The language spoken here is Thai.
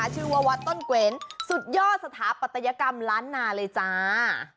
ชื่อว่าวัดต้นเกวนสุดยอดสถาปัตยกรรมล้านนาเลยจ้า